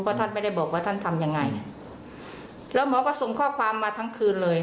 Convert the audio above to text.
ท่านไม่ได้บอกว่าท่านทำยังไงแล้วหมอก็ส่งข้อความมาทั้งคืนเลย